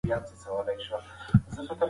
مېلمستیاوې به تر راتلونکې اونۍ پورې دوام ولري.